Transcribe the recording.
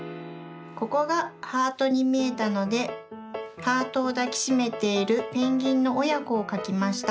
ここがハートにみえたのでハートをだきしめているペンギンのおやこをかきました。